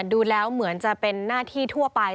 ดูแล้วเหมือนจะเป็นหน้าที่ทั่วไป